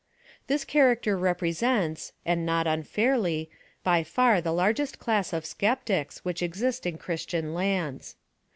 This character represents, and not unfairly, by far the largest class of skeptics, which exist in Christian lands.